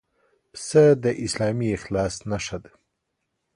پسه د اسلامي اخلاص نښه ده.